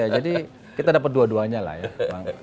jadi kita dapat dua duanya lah ya